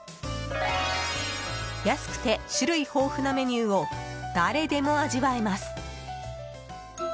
安くて種類豊富なメニューを誰でも味わえます。